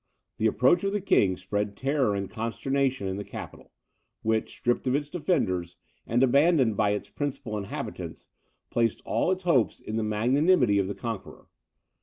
The approach of the king spread terror and consternation in the capital, which, stripped of its defenders, and abandoned by its principal inhabitants, placed all its hopes in the magnanimity of the conqueror.